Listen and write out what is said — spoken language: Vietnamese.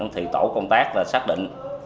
thì tổ công tác đã xác định